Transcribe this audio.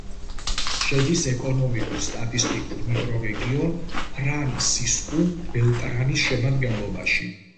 შედის ეკონომიკურ-სტატისტიკურ მიკრორეგიონ ფრანსისკუ-ბელტრანის შემადგენლობაში.